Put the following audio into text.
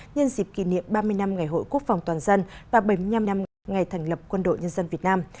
nhân dịp kỷ niệm ba mươi năm ngày hội quốc phòng toàn dân và bảy mươi năm năm ngày thành lập quân đội nhân dân việt nam